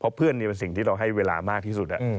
เพราะเพื่อนนี่เป็นสิ่งที่เราให้เวลามากที่สุด